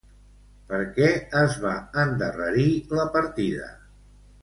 Per què es va endarrerir la partida?